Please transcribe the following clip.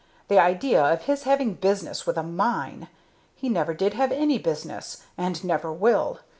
The idea of his having business with a mine! He never did have any business, and never will.